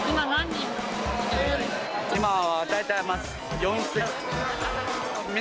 今は大体４０００人。